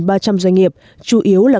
chủ yếu là các doanh nghiệp nhỏ và vĩ đại